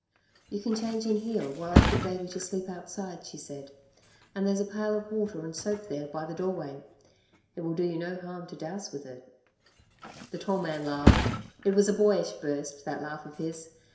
"You can change in here while I put Davey to sleep outside," she said. "And there's a pail of water and soap there by the doorway; it will do you no harm to dowse with it." The tall man laughed. It was a boyish burst, that laugh of his.